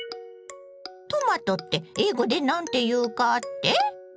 トマトって英語で何ていうかって？